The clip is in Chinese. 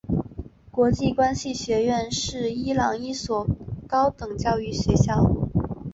国际关系学院是伊朗一所高等教育学校。